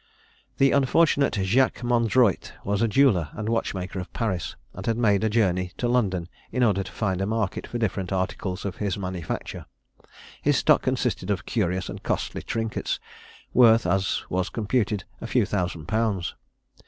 The unfortunate Jacques Mondroyte was a jeweller and watchmaker of Paris, and had made a journey to London, in order to find a market for different articles of his manufacture. His stock consisted of curious and costly trinkets, worth, as was computed, a few thousand pounds.